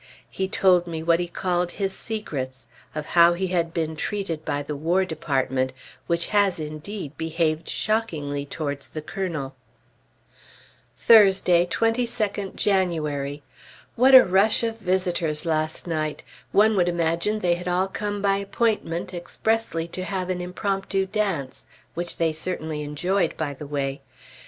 He told me what he called his secrets; of how he had been treated by the War Department (which has, indeed, behaved shockingly towards the Colonel). Thursday, 22d January. What a rush of visitors last night! One would imagine they had all come by appointment, expressly to have an impromptu dance, which they certainly enjoyed, by the way.